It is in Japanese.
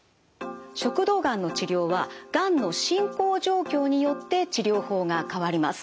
食道がんの治療はがんの進行状況によって治療法が変わります。